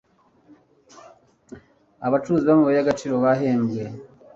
abacukuzi b'amabuye y'agaciro bahembwe